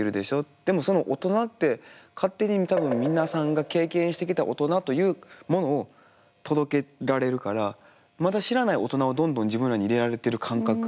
でもその大人って勝手に多分皆さんが経験してきた大人というものを届けられるからまだ知らない大人をどんどん自分らに入れられてる感覚。